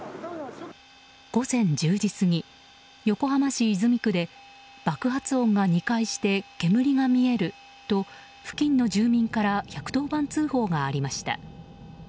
午前１０時過ぎ、横浜市泉区で爆発音が２回して煙が見えると付近の住民から１１０番通報がありました。